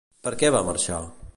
Per què va marxar?